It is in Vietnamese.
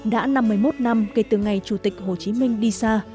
đã năm mươi một năm kể từ ngày chủ tịch hồ chí minh đi xa